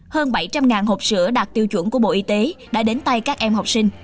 hơn bảy trăm linh hộp sữa đạt tiêu chuẩn của bộ y tế đã đến tay các em học sinh